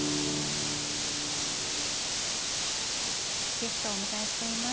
ゲストをお迎えしています。